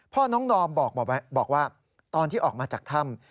น้องดอมบอกว่าตอนที่ออกมาจากถ้ำ